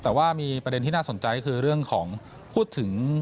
แต่ว่ามีประเด็นที่น่าสนใจก็คือเรื่องของพูดถึง